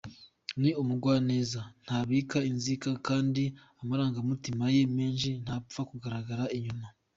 Ni umugwaneza, ntabika inzika kandi amarangamutima ye menshi ntapfa kugaragara inyuma.